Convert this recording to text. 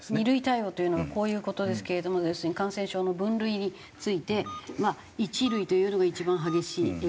２類対応というのはこういう事ですけれども要するに感染症の分類について１類というのが一番激しい。